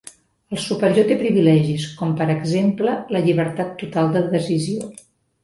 El superior té privilegis, com per exemple la llibertat total de decisió.